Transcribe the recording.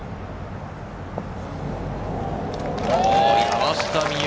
山下美夢